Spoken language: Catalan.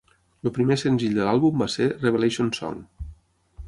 El primer senzill de l'àlbum va ser "Revelation Song".